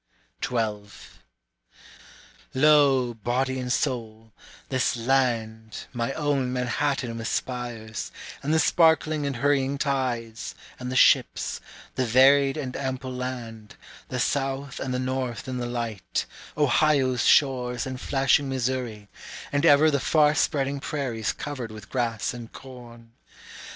12. Lo, body and soul this land, My own Manhattan with spires, and the sparkling and hurrying tides, and the ships, The varied and ample land, the South and the North in the light, Ohio's shores and flashing Missouri, And ever the far spreading prairies covered with grass and corn.